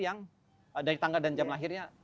yang dari tanggal dan jam lahirnya